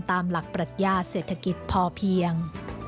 ตามหลักปรัชญาเศรษฐกิจพอเพียง